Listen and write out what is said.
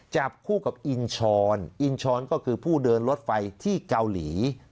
จับคู่กับอินชรอินชรก็คือผู้เดินรถไฟที่เกาหลี